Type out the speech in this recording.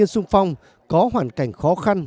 chúng tôi có một tình hình